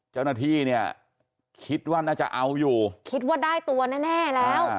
เจ้าหน้าที่เนี่ยคิดว่าน่าจะเอาอยู่คิดว่าได้ตัวแน่แล้ว